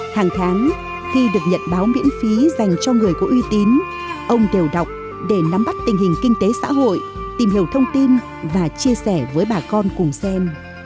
hàng tháng khi được nhận báo miễn phí dành cho người có uy tín ông đều đọc để nắm bắt tình hình kinh tế xã hội tìm hiểu thông tin và chia sẻ với bà con cùng xem